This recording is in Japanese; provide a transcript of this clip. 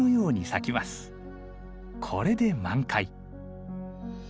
これで満開。